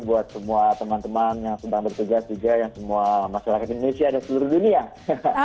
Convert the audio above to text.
buat semua teman teman yang sedang bertugas juga yang semua masyarakat indonesia dan seluruh dunia